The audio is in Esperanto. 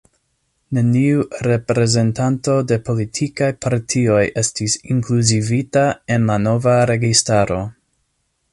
Neniu reprezentanto de politikaj partioj estis inkluzivita en la nova registaro.